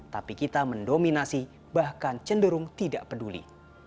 tapi kita mendominasi bahkan cenderung tidak peduli